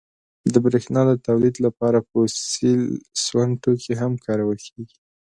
• د برېښنا د تولید لپاره فوسیل سون توکي هم کارول کېږي.